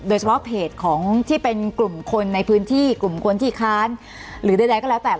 โดยเฉพาะเพจของที่เป็นกลุ่มคนในพื้นที่กลุ่มคนที่ค้านหรือใดก็แล้วแต่